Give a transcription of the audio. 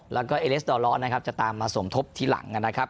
แล้วก็เอเลสเดาเรานะครับจะตามมาส่วมทบที่หลังแล้วครับ